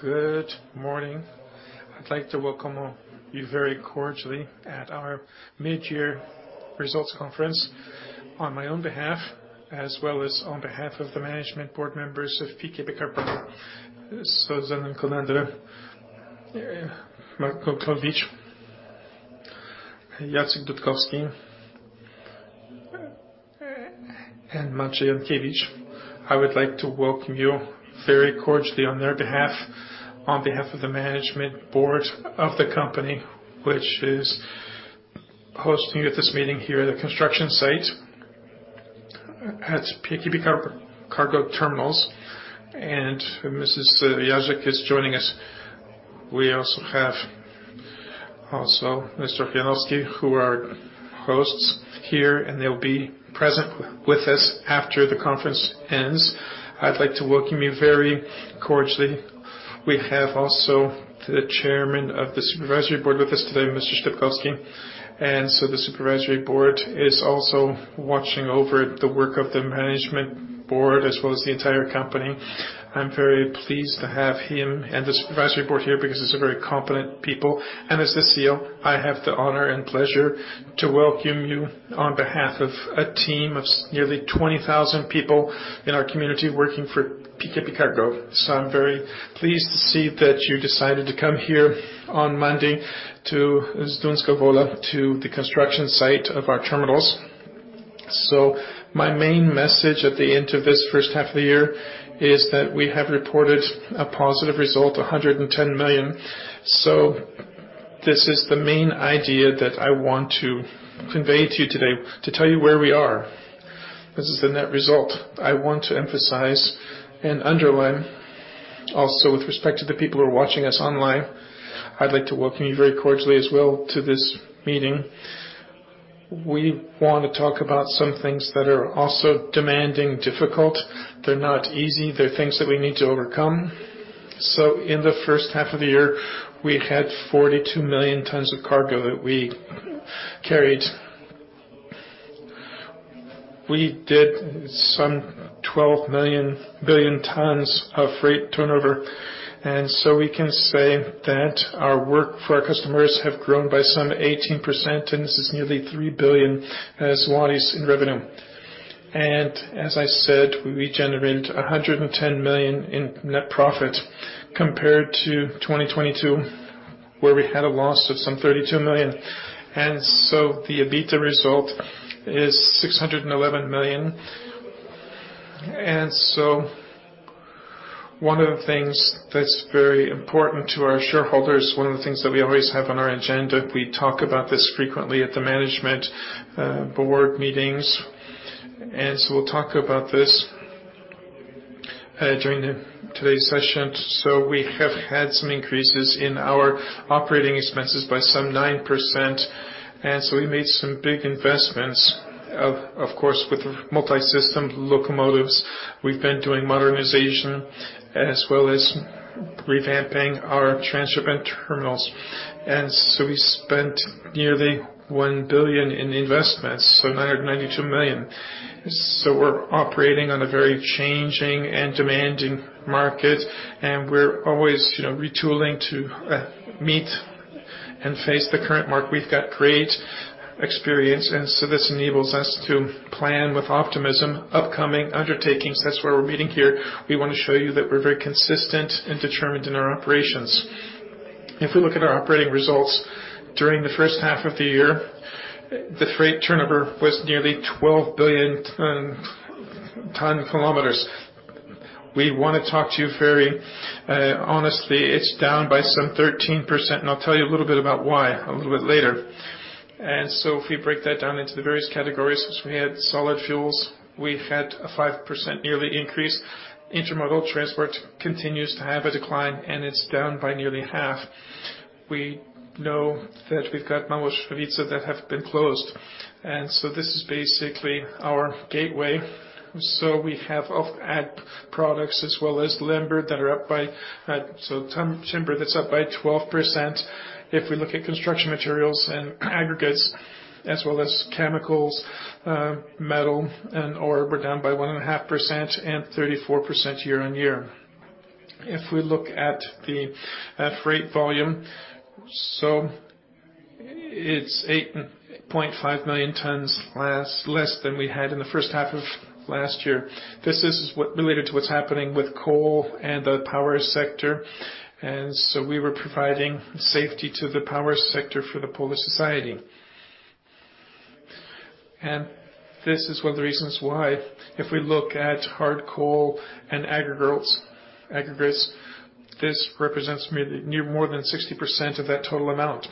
Good morning. I'd like to welcome all you very cordially at our mid-year results conference. On my own behalf, as well as on behalf of the management board members of PKP CARGO. So Zdeněk Klauza, Marek Olkiewicz, Jacek Rutkowski, and Maciej Jankiewicz. I would like to welcome you very cordially on their behalf, on behalf of the management board of the company, which is hosting you at this meeting here at the construction site at PKP CARGO Terminale, and Mrs. Jacek is joining us. We also have also Mr. Janowski, who are our hosts here, and they'll be present with us after the conference ends. I'd like to welcome you very cordially. We have also the Chairman of the supervisory board with us today, Mr. Szczepkowski, and so the supervisory board is also watching over the work of the management board, as well as the entire company. I'm very pleased to have him and the supervisory board here because these are very competent people. As the CEO, I have the honor and pleasure to welcome you on behalf of a team of nearly 20,000 people in our community working for PKP CARGO. I'm very pleased to see that you decided to come here on Monday to Zduńska Wola, to the construction site of our terminals. My main message at the end of this first half of the year is that we have reported a positive result, 110 million. This is the main idea that I want to convey to you today, to tell you where we are. This is the net result I want to emphasize and underline. Also, with respect to the people who are watching us online, I'd like to welcome you very cordially as well to this meeting. We want to talk about some things that are also demanding, difficult. They're not easy. They're things that we need to overcome. So in the first half of the year, we had 42 million tons of cargo that we carried. We did some 12 billion tons of freight turnover, and so we can say that our work for our customers have grown by some 18%, and this is nearly 3 billion zlotys as well as in revenue. And as I said, we generated 110 million in net profit compared to 2022, where we had a loss of some 32 million. And so the EBITDA result is 611 million. One of the things that's very important to our shareholders, one of the things that we always have on our agenda, we talk about this frequently at the management board meetings, and so we'll talk about this during today's session. So we have had some increases in our operating expenses by some 9%, and so we made some big investments, of course, with multi-system locomotives. We've been doing modernization as well as revamping our transshipment terminals. And so we spent nearly 1 billion in investments, so 992 million. So we're operating on a very changing and demanding market, and we're always, you know, retooling to meet and face the current market. We've got great experience, and so this enables us to plan with optimism upcoming undertakings. That's why we're meeting here. We want to show you that we're very consistent and determined in our operations. If we look at our operating results, during the first half of the year, the freight turnover was nearly 12 billion ton-kilometers. We want to talk to you very honestly, it's down by some 13%, and I'll tell you a little bit about why a little bit later. So if we break that down into the various categories, we had solid fuels. We had a 5% yearly increase. Intermodal transport continues to have a decline, and it's down by nearly half. We know that we've got Małaszewicze that have been closed, and so this is basically our gateway. So we have oil products as well as lumber that are up by. So timber that's up by 12%. If we look at construction materials and aggregates, as well as chemicals, metal and ore, we're down by 1.5% and 34% year-on-year. If we look at freight volume, so it's 8.5 million tons less than we had in the first half of last year. This is what related to what's happening with coal and the power sector, and so we were providing safety to the power sector for the Polish society. This is one of the reasons why, if we look at hard coal and aggregates, this represents near more than 60% of that total amount.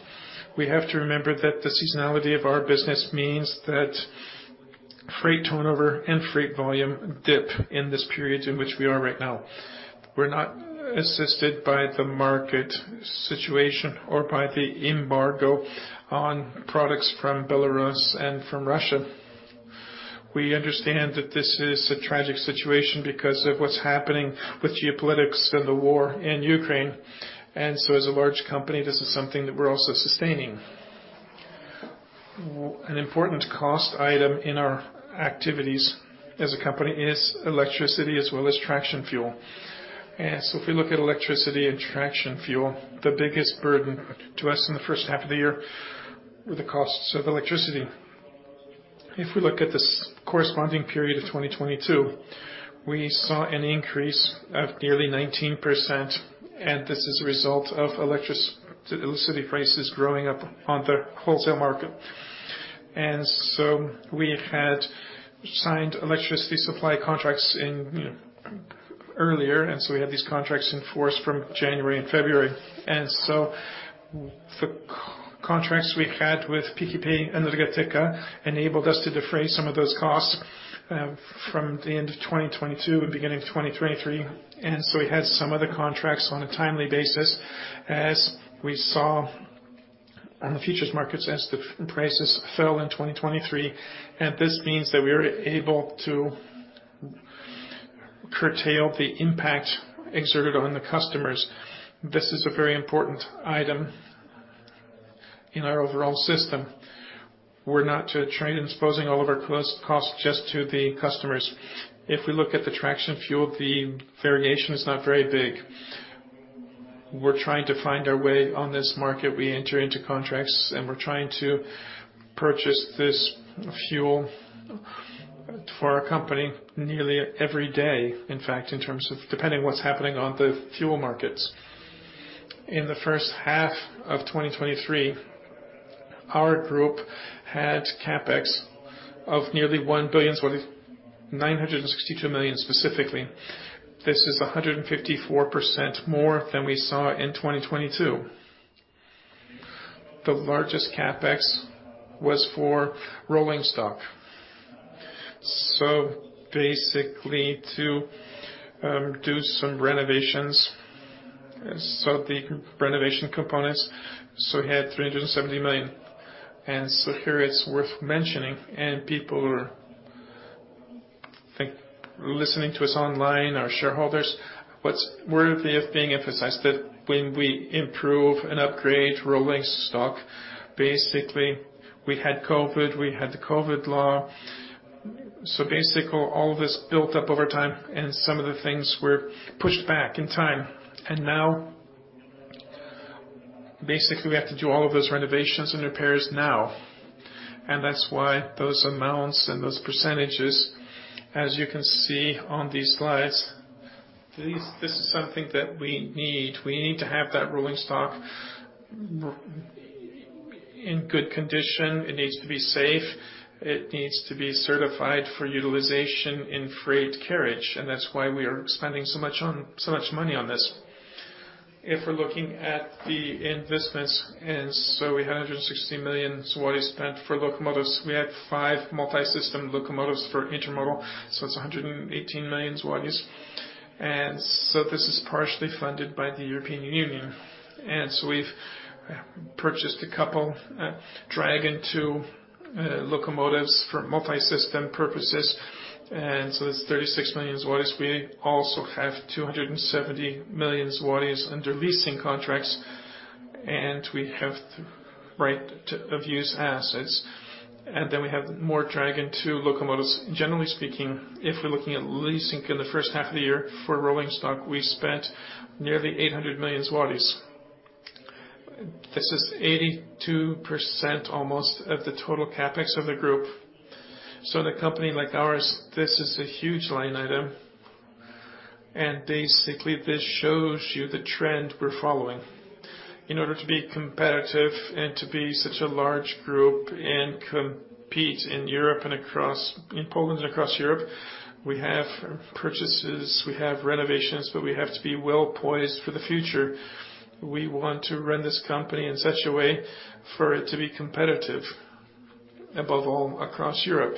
We have to remember that the seasonality of our business means that freight turnover and freight volume dip in this period in which we are right now. We're not assisted by the market situation or by the embargo on products from Belarus and from Russia. We understand that this is a tragic situation because of what's happening with geopolitics and the war in Ukraine, and so as a large company, this is something that we're also sustaining. An important cost item in our activities as a company is electricity as well as traction fuel. And so if we look at electricity and traction fuel, the biggest burden to us in the first half of the year were the costs of electricity. If we look at this corresponding period of 2022, we saw an increase of nearly 19%, and this is a result of electricity prices growing up on the wholesale market. And so we had signed electricity supply contracts in, earlier, and so we had these contracts in force from January and February. The contracts we had with PKP Energetyka enabled us to defray some of those costs, from the end of 2022 and beginning of 2023. We had some of the contracts on a timely basis as we saw on the futures markets, as the prices fell in 2023, and this means that we are able to curtail the impact exerted on the customers. This is a very important item in our overall system. We're not to trade exposing all of our cost, costs just to the customers. If we look at the traction fuel, the variation is not very big. We're trying to find our way on this market. We enter into contracts, and we're trying to purchase this fuel for our company nearly every day, in fact, in terms of depending what's happening on the fuel markets. In the first half of 2023, our group had CapEx of nearly 1 billion, so 962 million, specifically. This is 154% more than we saw in 2022. The largest CapEx was for rolling stock. So basically, to do some renovations. So the renovation components, so we had 370 million. And so here it's worth mentioning, and people listening to us online, our shareholders, what's worthy of being emphasized that when we improve and upgrade rolling stock, basically, we had COVID, we had the COVID law. So basically, all of this built up over time, and some of the things were pushed back in time. Now, basically, we have to do all of those renovations and repairs now, and that's why those amounts and those percentages, as you can see on these slides, this is something that we need. We need to have that rolling stock in good condition. It needs to be safe, it needs to be certified for utilization in freight carriage, and that's why we are spending so much money on this. If we're looking at the investments, we had 160 million spent for locomotives. We had five multi-system locomotives for intermodal, so it's 118 million. This is partially funded by the European Union. We've purchased a couple Dragon 2 locomotives for multi-system purposes, and that's 36 million zlotys. We also have 270 million zlotys under leasing contracts, and we have the right to use assets. And then we have more Dragon two locomotives. Generally speaking, if we're looking at leasing in the first half of the year for rolling stock, we spent nearly 800 million zlotys. This is 82% almost of the total CapEx of the group. So in a company like ours, this is a huge line item. And basically, this shows you the trend we're following. In order to be competitive and to be such a large group and compete in Europe and across—in Poland and across Europe, we have purchases, we have renovations, but we have to be well-poised for the future. We want to run this company in such a way for it to be competitive, above all, across Europe.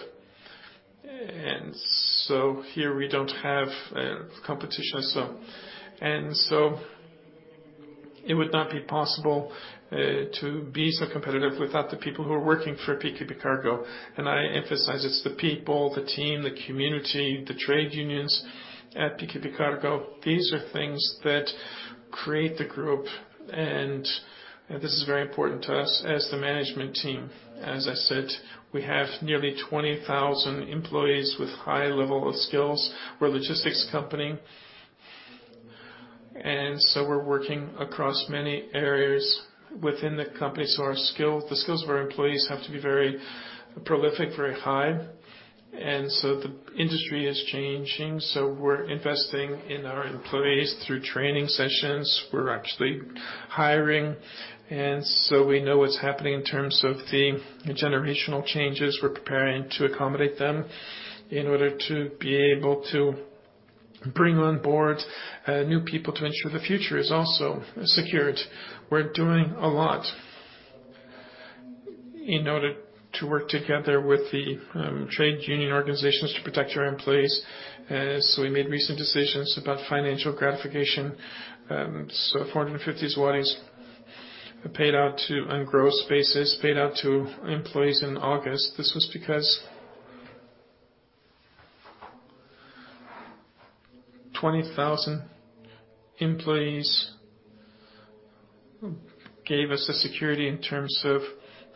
So here we don't have competition as so. It would not be possible to be so competitive without the people who are working for PKP Cargo. And I emphasize, it's the people, the team, the community, the trade unions at PKP Cargo. These are things that create the group, and this is very important to us as the management team. As I said, we have nearly 20,000 employees with high level of skills. We're a logistics company, and so we're working across many areas within the company. So the skills of our employees have to be very prolific, very high, and so the industry is changing, so we're investing in our employees through training sessions. We're actually hiring, and so we know what's happening in terms of the generational changes. We're preparing to accommodate them in order to be able to bring on board new people to ensure the future is also secured. We're doing a lot in order to work together with the trade union organizations to protect our employees. We made recent decisions about financial gratification. 450 zlotys paid out to, on gross basis, paid out to employees in August. This was because 20,000 employees gave us the security in terms of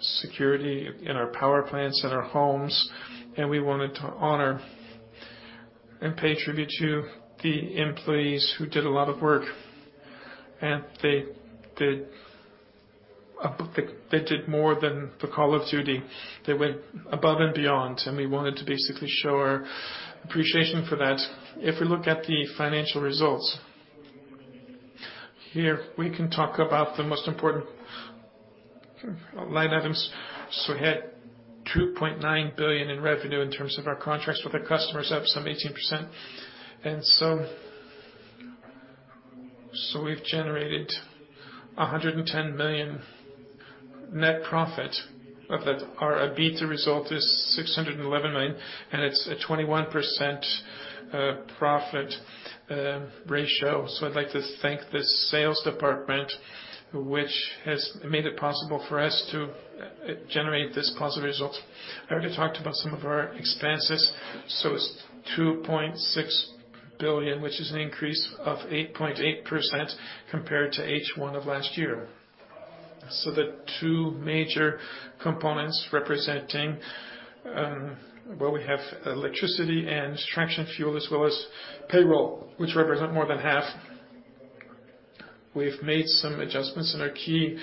security in our power plants and our homes, and we wanted to honor and pay tribute to the employees who did a lot of work. And they did more than the call of duty. They went above and beyond, and we wanted to basically show our appreciation for that. If we look at the financial results, here, we can talk about the most important line items. So we had 2.9 billion in revenue in terms of our contracts with our customers, up some 18%. And so, so we've generated 110 million net profit. Of that, our EBITDA result is 611 million, and it's a 21% profit ratio. So I'd like to thank the sales department, which has made it possible for us to generate this positive result. I already talked about some of our expenses, so it's 2.6 billion, which is an increase of 8.8% compared to H1 of last year. So the two major components representing, well, we have electricity and traction fuel, as well as payroll, which represent more than half. We've made some adjustments in our key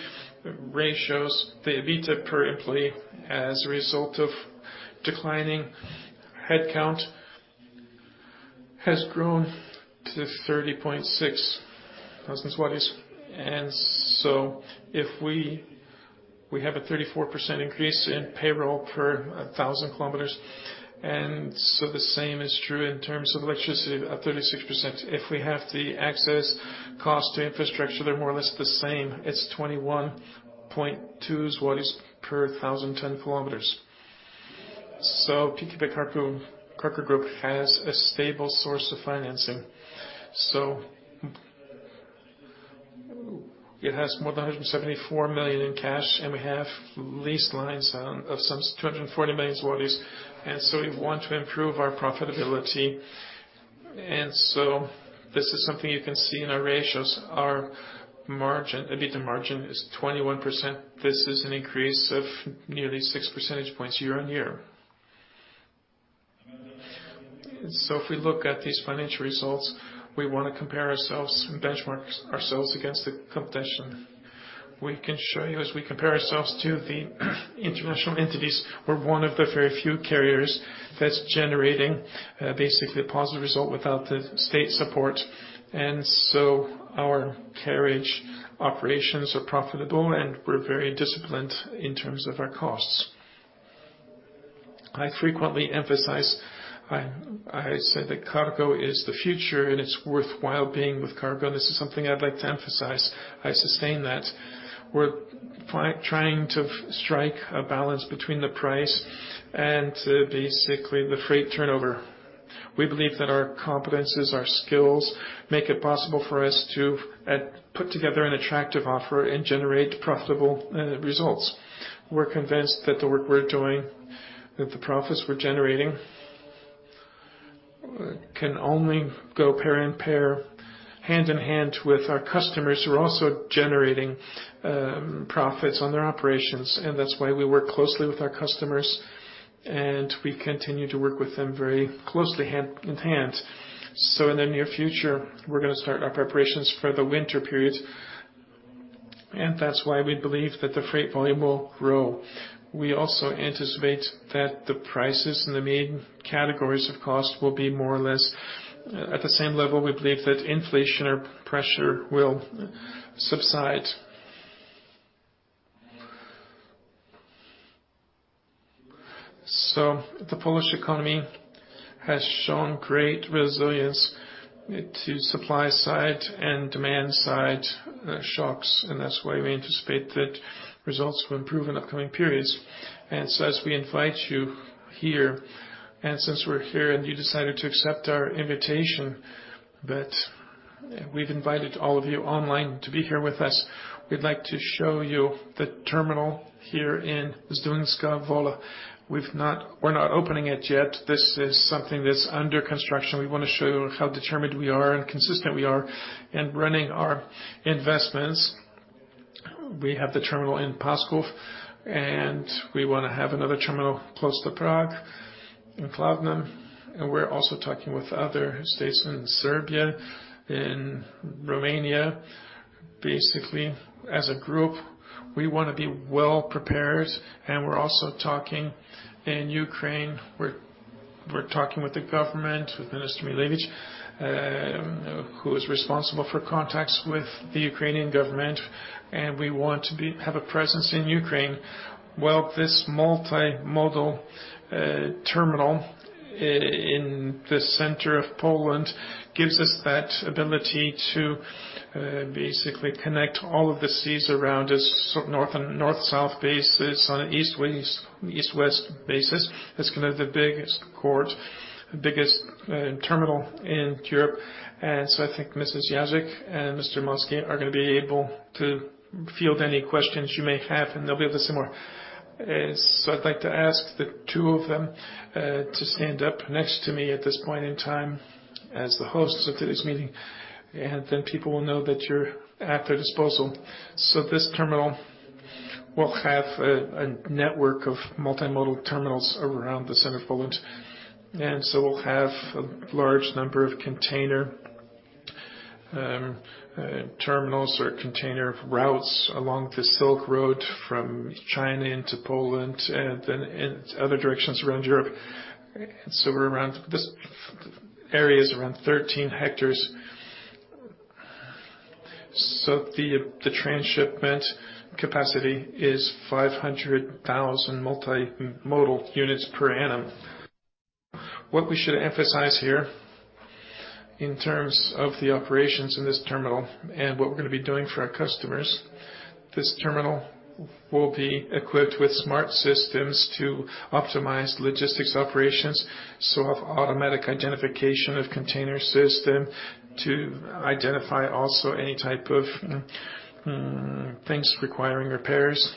ratios. The EBITDA per employee, as a result of declining headcount, has grown to 30.6 thousand. If we have a 34% increase in payroll per thousand kilometers. The same is true in terms of electricity, at 36%. If we have the access cost to infrastructure, they're more or less the same. It's 21.2 per thousand ton kilometers. So PKP CARGO Group has a stable source of financing. So it has more than 174 million in cash, and we have lease lines of some 240 million zlotys, and so we want to improve our profitability. This is something you can see in our ratios. Our margin, EBITDA margin, is 21%. This is an increase of nearly six percentage points year-over-year. So if we look at these financial results, we want to compare ourselves and benchmark ourselves against the competition. We can show you as we compare ourselves to the international entities, we're one of the very few carriers that's generating basically a positive result without the state support. And so our carriage operations are profitable, and we're very disciplined in terms of our costs. I frequently emphasize, I said that cargo is the future, and it's worthwhile being with cargo, and this is something I'd like to emphasize. I sustain that. We're trying to strike a balance between the price and basically the freight turnover. We believe that our competences, our skills, make it possible for us to put together an attractive offer and generate profitable results. We're convinced that the work we're doing, that the profits we're generating, can only go pair in pair, hand in hand, with our customers, who are also generating, profits on their operations. And that's why we work closely with our customers, and we continue to work with them very closely, hand in hand. So in the near future, we're gonna start our preparations for the winter period, and that's why we believe that the freight volume will grow. We also anticipate that the prices in the main categories of cost will be more or less at the same level. We believe that inflation or pressure will subside. So the Polish economy has shown great resilience to supply side and demand side, shocks, and that's why we anticipate that results will improve in upcoming periods. As we invite you here, and since we're here and you decided to accept our invitation, that we've invited all of you online to be here with us, we'd like to show you the terminal here in Zduńska Wola. We're not opening it yet. This is something that's under construction. We want to show you how determined we are and consistent we are in running our investments. We have the terminal in Paskov, and we want to have another terminal close to Prague, in Kladno. We're also talking with other states in Serbia, in Romania. Basically, as a group, we want to be well prepared, and we're also talking in Ukraine. We're talking with the government, with Minister Milevich, who is responsible for contacts with the Ukrainian government, and we want to have a presence in Ukraine. Well, this multimodal terminal in the center of Poland gives us that ability to basically connect all of the seas around us, so north and North-South basis on an east-west, east-west basis. It's gonna be the biggest port, the biggest terminal in Europe. And so I think Mrs. Jażdżyk and Mr. Janowski are gonna be able to field any questions you may have, and they'll be able to say more. So I'd like to ask the two of them to stand up next to me at this point in time as the hosts of today's meeting, and then people will know that you're at their disposal. So this terminal will have a network of multimodal terminals around the center of Poland, and so we'll have a large number of container terminals or container routes along the Silk Road from China into Poland, and then in other directions around Europe. So we're around this area is around 13 hectares. So the transshipment capacity is 500,000 multimodal units per annum. What we should emphasize here in terms of the operations in this terminal and what we're gonna be doing for our customers, this terminal will be equipped with smart systems to optimize logistics operations. So have automatic identification of container system to identify also any type of things requiring repairs.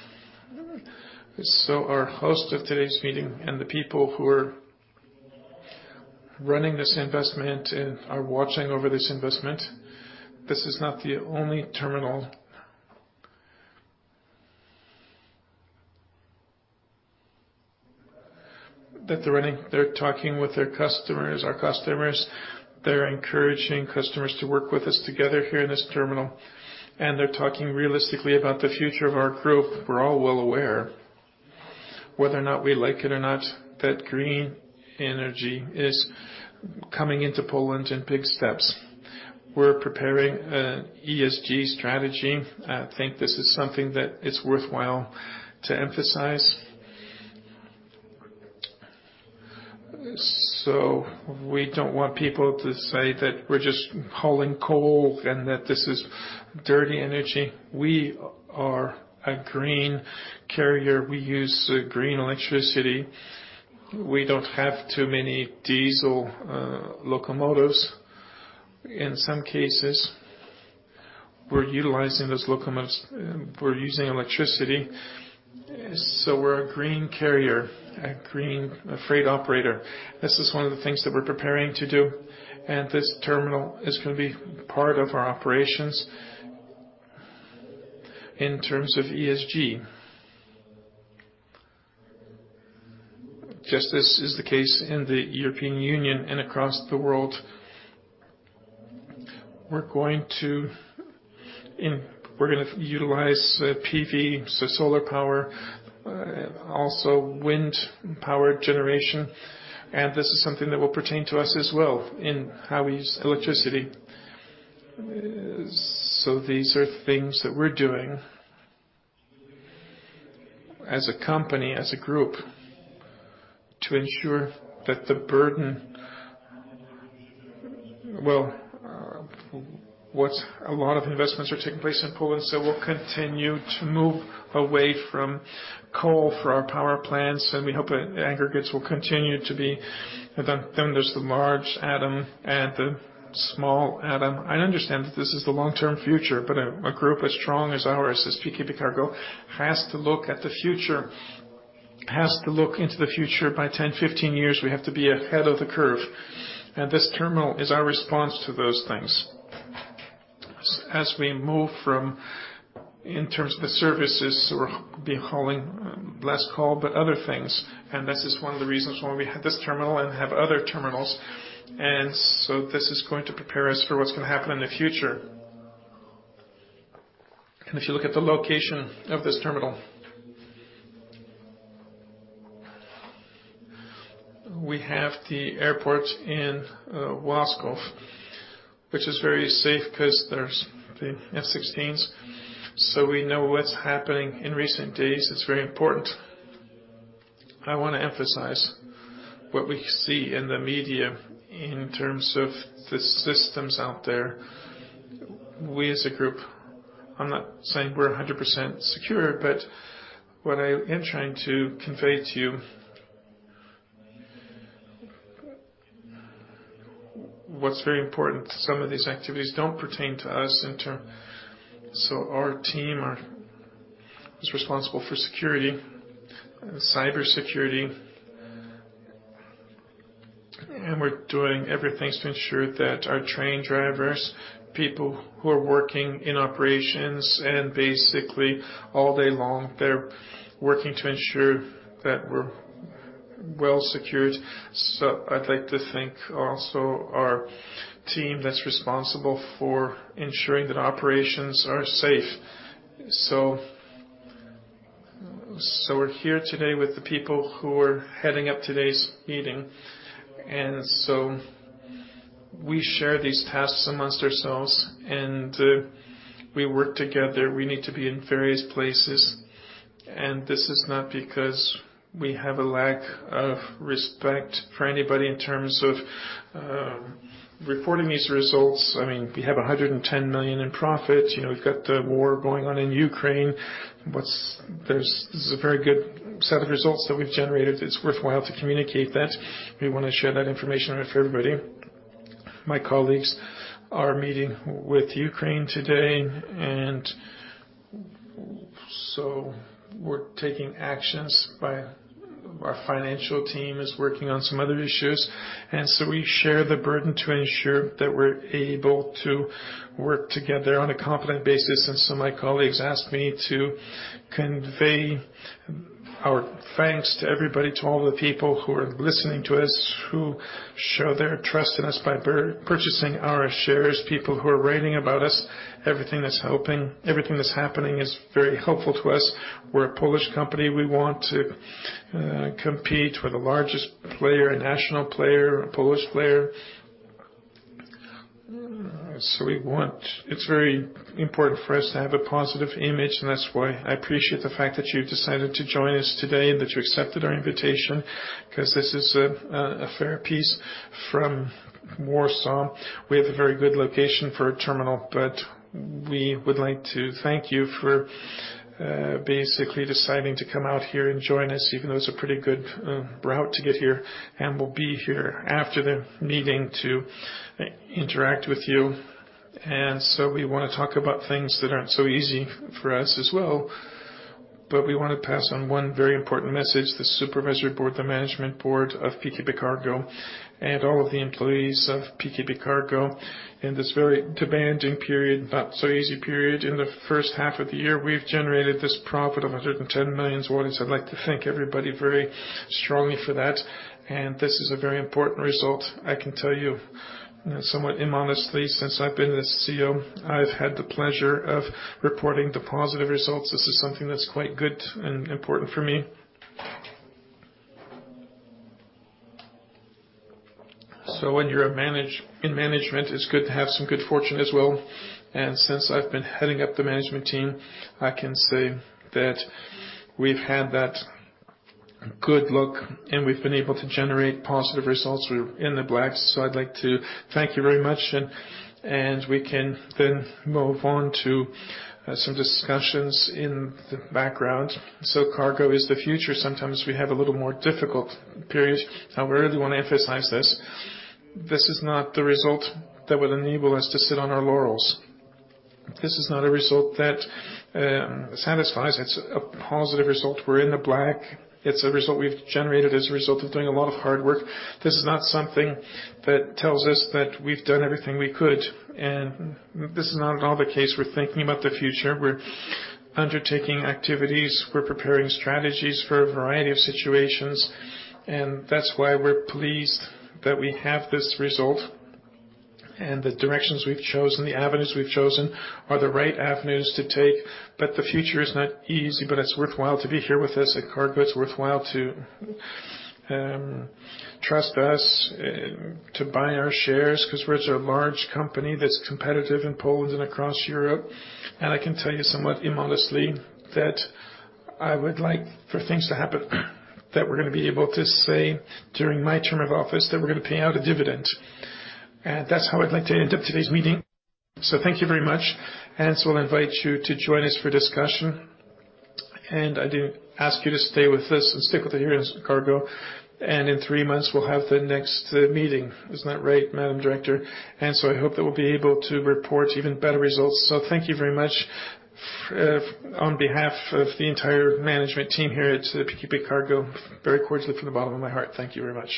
So our host of today's meeting and the people who are running this investment and are watching over this investment, this is not the only terminal that they're running. They're talking with their customers, our customers. They're encouraging customers to work with us together here in this terminal, and they're talking realistically about the future of our group. We're all well aware, whether or not we like it or not, that green energy is coming into Poland in big steps. We're preparing an ESG strategy. I think this is something that it's worthwhile to emphasize. So we don't want people to say that we're just hauling coal and that this is dirty energy. We are a green carrier. We use green electricity. We don't have too many diesel locomotives. In some cases, we're utilizing those locomotives. We're using electricity. So we're a green carrier, a green freight operator. This is one of the things that we're preparing to do, and this terminal is gonna be part of our operations in terms of ESG. Just as is the case in the European Union and across the world, we're going to – we're gonna utilize PV, so solar power, also wind power generation, and this is something that will pertain to us as well in how we use electricity. So these are things that we're doing as a company, as a group, to ensure that the burden. Well, what's – a lot of investments are taking place in Poland, so we'll continue to move away from coal for our power plants, and we hope that aggregates will continue to be. Then there's the large atom and the small atom. I understand that this is the long-term future, but a group as strong as ours, as PKP Cargo, has to look at the future, has to look into the future. By 10, 15 years, we have to be ahead of the curve. This terminal is our response to those things. As we move from, in terms of the services, we'll be hauling less coal, but other things. This is one of the reasons why we have this terminal and have other terminals. So this is going to prepare us for what's going to happen in the future. If you look at the location of this terminal, we have the airport in Łask, which is very safe 'cause there's the F-16s. So we know what's happening in recent days. It's very important. I want to emphasize what we see in the media in terms of the systems out there. We, as a group, I'm not saying we're 100% secure, but what I am trying to convey to you... What's very important, some of these activities don't pertain to us in term. So our team is responsible for security and cybersecurity. We're doing everything to ensure that our train drivers, people who are working in operations, and basically all day long, they're working to ensure that we're well secured. I'd like to thank also our team that's responsible for ensuring that operations are safe. We're here today with the people who are heading up today's meeting, and we share these tasks amongst ourselves, and we work together. We need to be in various places, and this is not because we have a lack of respect for anybody in terms of reporting these results. I mean, we have 110 million in profit. You know, we've got the war going on in Ukraine. This is a very good set of results that we've generated. It's worthwhile to communicate that. We want to share that information with everybody. My colleagues are meeting with Ukraine today, and so we're taking actions by our financial team is working on some other issues, and so we share the burden to ensure that we're able to work together on a competent basis. And so my colleagues asked me to convey our thanks to everybody, to all the people who are listening to us, who show their trust in us by purchasing our shares, people who are writing about us. Everything that's helping, everything that's happening is very helpful to us. We're a Polish company. We want to compete. We're the largest player, a national player, a Polish player. So we want—It's very important for us to have a positive image, and that's why I appreciate the fact that you've decided to join us today and that you accepted our invitation, 'cause this is a fair piece from Warsaw. We have a very good location for a terminal, but we would like to thank you for basically deciding to come out here and join us, even though it's a pretty good route to get here. And we'll be here after the meeting to interact with you. And so we wanna talk about things that aren't so easy for us as well, but we wanna pass on one very important message, the Supervisory Board, the Management Board of PKP Cargo, and all of the employees of PKP Cargo. In this very demanding period, not so easy period, in the first half of the year, we've generated this profit of 110 million. I'd like to thank everybody very strongly for that, and this is a very important result. I can tell you, somewhat immodestly, since I've been the CEO, I've had the pleasure of reporting the positive results. This is something that's quite good and important for me. So when you're in management, it's good to have some good fortune as well. And since I've been heading up the management team, I can say that we've had that good luck, and we've been able to generate positive results. We're in the black, so I'd like to thank you very much, and we can then move on to some discussions in the background. So cargo is the future. Sometimes we have a little more difficult period. However, I really want to emphasize this, this is not the result that would enable us to sit on our laurels. This is not a result that, satisfies. It's a positive result. We're in the black. It's a result we've generated as a result of doing a lot of hard work. This is not something that tells us that we've done everything we could, and this is not at all the case. We're thinking about the future. We're undertaking activities, we're preparing strategies for a variety of situations, and that's why we're pleased that we have this result. And the directions we've chosen, the avenues we've chosen, are the right avenues to take, but the future is not easy, but it's worthwhile to be here with us at Cargo. It's worthwhile to trust us to buy our shares, 'cause we're a large company that's competitive in Poland and across Europe. I can tell you somewhat immodestly, that I would like for things to happen, that we're gonna be able to say during my term of office, that we're gonna pay out a dividend. That's how I'd like to end today's meeting. Thank you very much, and I'll invite you to join us for discussion. I do ask you to stay with us and stick with the PKP CARGO, and in three months, we'll have the next meeting. Isn't that right, Madam Director? I hope that we'll be able to report even better results. Thank you very much on behalf of the entire management team here at the PKP CARGO. Very cordially from the bottom of my heart, thank you very much.